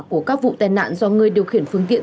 của các vụ tai nạn do người điều khiển phương tiện